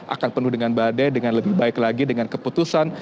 akan penuh dengan badai dengan lebih baik lagi dengan keputusan